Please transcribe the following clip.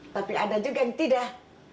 tapi ada juga yang tidak